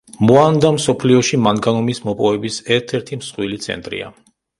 მოანდა მსოფლიოში მანგანუმის მოპოვების ერთ-ერთი მსხვილი ცენტრია.